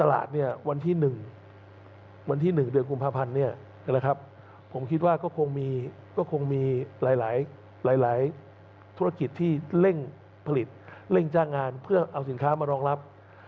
เร่งผลิตเร่งจ้างงานเพื่อเอาสินค้ามารองรับ